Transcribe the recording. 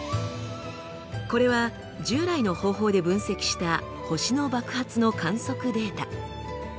これは従来の方法で分析した星の爆発の観測データ。